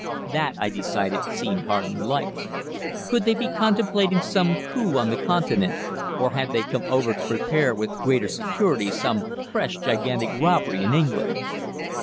That, I decided, seemed hardly likely. Could they be contemplating some coup on the Continent, or had they come over to prepare with greater security some fresh gigantic robbery in England?